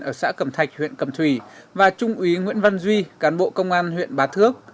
ở xã cẩm thạch huyện cầm thủy và trung úy nguyễn văn duy cán bộ công an huyện bá thước